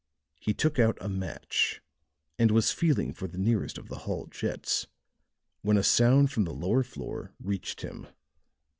He took out a match and was feeling for the nearest of the hall jets when a sound from the lower floor reached him.